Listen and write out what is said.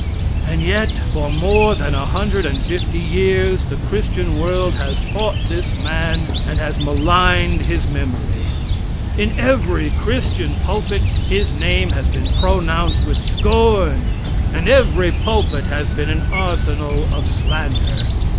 And yet for more than a hundred and fifty years the Christian world has fought this man and has maligned his memory. In every christian pulpit his name has been pronounced with scorn, and every pulpit has been an arsenal of slander.